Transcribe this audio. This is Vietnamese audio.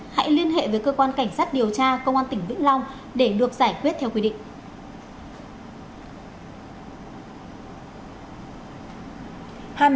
hãy liên hệ với cơ quan cảnh sát điều tra công an tỉnh vĩnh long để được giải quyết theo quy định